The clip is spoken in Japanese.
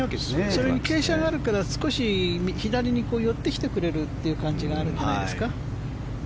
それに傾斜があるから少し左に寄ってきてくれるという感じがあるんじゃないですか。